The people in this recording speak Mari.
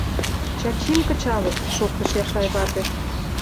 — Чачим кычалыт, — шоктыш Яшай вате.